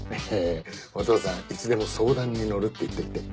お父さんいつでも相談に乗るって言っといて。